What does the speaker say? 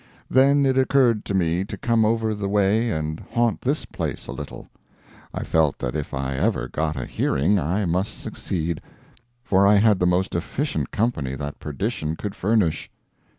Then it occurred to me to come over the way and haunt this place a little. I felt that if I ever got a hearing I must succeed, for I had the most efficient company that perdition could furnish.